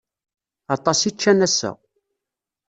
Aṭas i ččan ass-a.